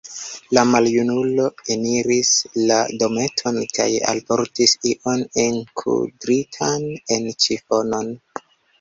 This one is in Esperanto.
La maljunulo eniris la dometon kaj alportis ion enkudritan en ĉifonon.